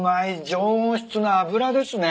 上質な脂ですね。